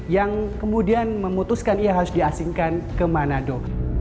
yang kemudian memutuskan ia harus diasingkan ke manado